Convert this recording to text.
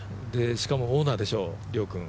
しかも、遼君オーナーでしょう。